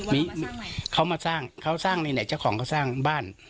เรามาสร้างอะไรเขามาสร้างเขาสร้างนี่เนี่ยเจ้าของเขาสร้างบ้าน